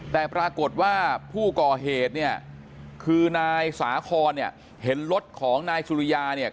แต่ปรากฏว่าผู้ก่อเหตุเนี่ยคือนายสาคอนเนี่ยเห็นรถของนายสุริยาเนี่ย